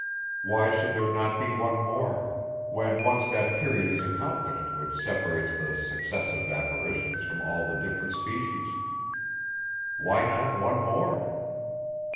Why should there not be one more, when once that period is accomplished which separates the successive apparitions from all the different species? Why not one more?